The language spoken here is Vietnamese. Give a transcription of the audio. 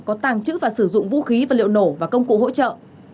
có tàng trữ và sử dụng vũ khí vật liệu nổ và công cụ hỗ trợ